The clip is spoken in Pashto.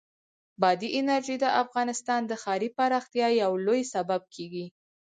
بادي انرژي د افغانستان د ښاري پراختیا یو لوی سبب کېږي.